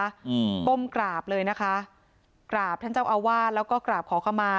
อืมก้มกราบเลยนะคะกราบท่านเจ้าอาวาสแล้วก็กราบขอขมา